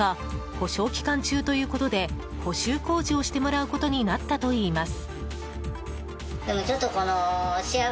補償期間中ということで補修工事をしてもらうことになったといいます。